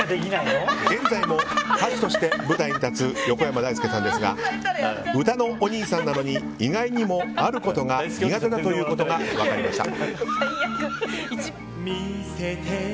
現在も歌手として舞台に立つ横山だいすけさんですがうたのおにいさんなのに意外にもあることが苦手だということが分かりました。